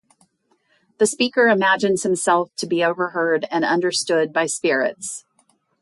The speaker imagines himself to be overheard and understood by spirits.